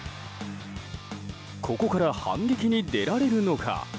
ここから反撃に出られるのか。